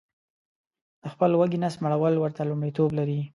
د خپل وږي نس مړول ورته لمړیتوب لري